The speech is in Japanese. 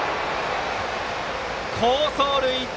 好走塁！